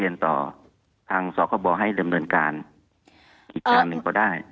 อีกสามนึงก็ได้